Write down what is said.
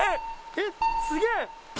えっすげぇ！